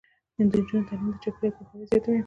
د نجونو تعلیم د چاپیریال پوهاوي زیاتوي.